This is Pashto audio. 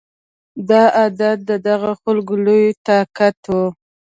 دا عادت د دغه خلکو لوی طاقت و